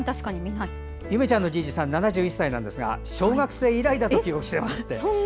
ゆめちゃんのじいじさん７１歳なんですが小学生以来だと記憶していますと。